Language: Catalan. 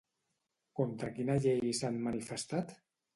Contra quina llei s'han manifestat?